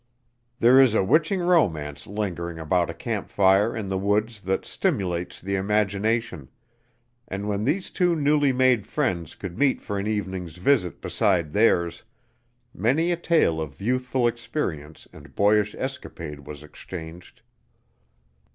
There is a 'witching romance lingering about a camp fire in the woods that stimulates the imagination, and when these two newly made friends could meet for an evening's visit beside theirs, many a tale of youthful experience and boyish escapade was exchanged.